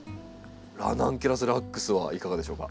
ラナンキュラスラックスはいかがでしょうか？